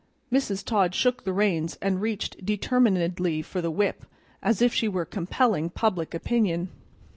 Mrs. Todd shook the reins and reached determinedly for the whip, as if she were compelling public opinion.